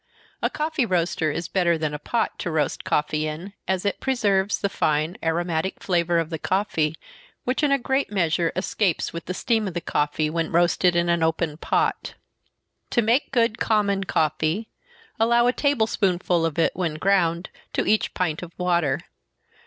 A coffee roaster is better than a pot to roast coffee in, as it preserves the fine aromatic flavor of the coffee, which in a great measure escapes with the steam of the coffee, when roasted in an open pot. To make good common coffee, allow a table spoonful of it, when ground, to each pint of water.